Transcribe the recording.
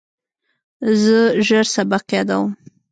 زه ژر سبق یادوم.